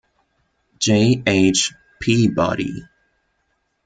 J. H. Peabody.